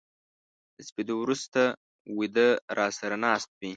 له سپېدو ورو سته و يده را سره ناست وې